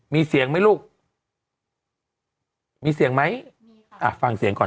มีเสียงไหมลูกมีเสียงไหมมีอ่ะฟังเสียงก่อน